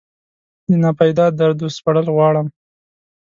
دناپیدا دردو سپړل غواړم